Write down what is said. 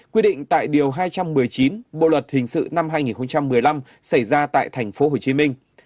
quyết định tại điều hai trăm một mươi chín bộ luật hình sự năm hai nghìn một mươi năm xảy ra tại tp hcm